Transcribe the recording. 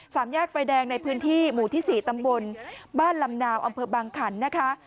สามแยกไฟแดงในพื้นที่หมู่ที่๔ตำบลบ้านลำนาวอบางขันฯนะคะ